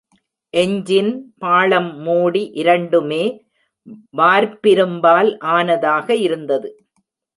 Engine பாளம், மூடி இரண்டுமே வார்ப்பிரும்பால் ஆனதாக இருந்தது.